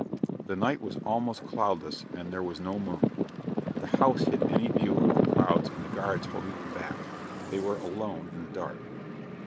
The night was almost cloudless and there was no moon. The house hid any view of the crowds and the guards holding them back. They were alone in the dark.